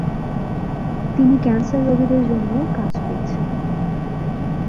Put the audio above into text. তিনি ক্যান্সার রোগীদের জন্যও কাজ করছেন।